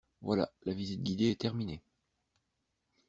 Voilà, la visite guidée est terminée.